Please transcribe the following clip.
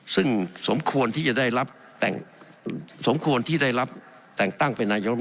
ซึ่งสมควรที่จะได้รับแต่งตั้ง